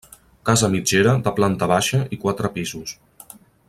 Casa mitgera de planta baixa i quatre pisos.